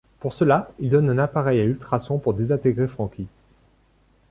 Pour cela, il donne un appareil à ultrasons pour désintégrer Franky.